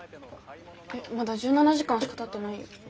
えっまだ１７時間しかたってないよ。